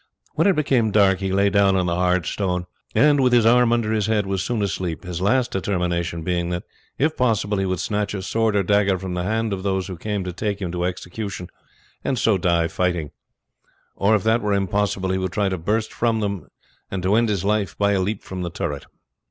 When it became dark he lay down on the hard stone, and, with his arm under his head was soon asleep his last determination being that if possible he would snatch a sword or dagger from the hand of those who came to take him to execution, and so die fighting; or if that were impossible, he would try to burst from them and to end his life by a leap from the turret.